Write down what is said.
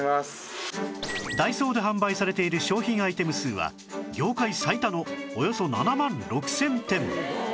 ダイソーで販売されている商品アイテム数は業界最多のおよそ７万６０００点